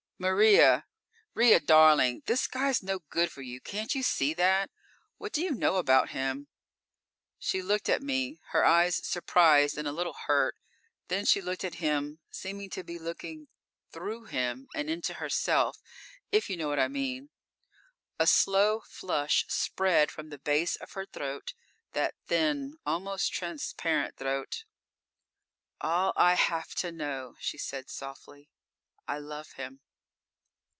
"Maria. Ria, darling. This guy's no good for you, can't you see that? What do you know about him?" She looked at me, her eyes surprised and a little hurt. Then she looked at him, seemed to be looking through him and into herself, if you know what I mean. A slow flush spread from the base of her throat, that thin, almost transparent throat. "All I have to know," she said softly. "I love him."